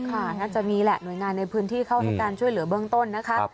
น่าจะมีแหละหน่วยงานในพื้นที่เข้าให้การช่วยเหลือเบื้องต้นนะคะ